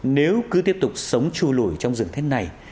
nếu cứ tiếp tục sống chu lùi trong rừng thế này